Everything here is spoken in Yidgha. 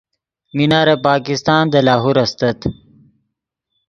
مینار پاکستان دے لاہور استت